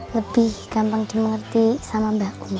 lebih gampang dimengerti sama mbah kumi